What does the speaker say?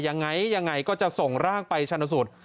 ยังไงก็จะส่งร่างไปชันสุด